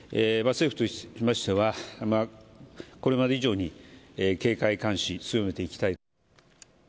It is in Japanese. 政府としましては、これまで以上に、警戒監視を強めていきたい。